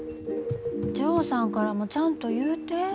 ジョーさんからもちゃんと言うて。